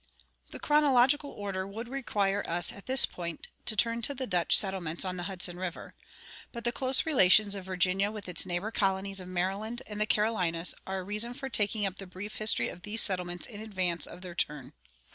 The chronological order would require us at this point to turn to the Dutch settlements on the Hudson River; but the close relations of Virginia with its neighbor colonies of Maryland and the Carolinas are a reason for taking up the brief history of these settlements in advance of their turn.